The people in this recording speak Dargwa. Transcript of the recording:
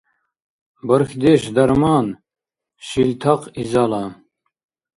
Бархьдеш — дарман, шилтахъ — изала.